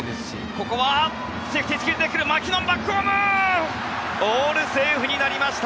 ここはセーフティースクイズで来るマキノン、バックホームオールセーフになりました。